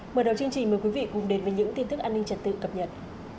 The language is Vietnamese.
mở đầu chương trình mời quý vị cùng đến với những tin tức an ninh trật tự cập nhật